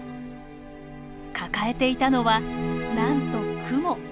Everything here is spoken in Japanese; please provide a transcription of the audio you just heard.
抱えていたのはなんとクモ。